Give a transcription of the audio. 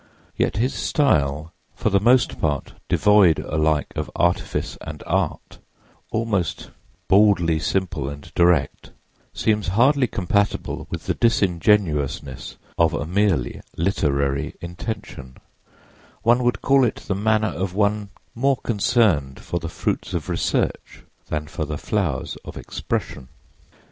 Yet his style, for the most part devoid alike of artifice and art, almost baldly simple and direct, seems hardly compatible with the disingenuousness of a merely literary intention; one would call it the manner of one more concerned for the fruits of research than for the flowers of expression.